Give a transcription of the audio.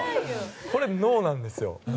これ、ＮＯなんですよ。